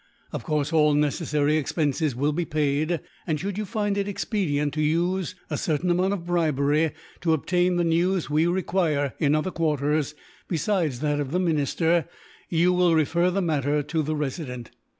Of course, all necessary expenses will be paid and, should you find it expedient to use a certain amount of bribery, to obtain the news we require in other quarters besides that of the minister, you will refer the matter to the Resident.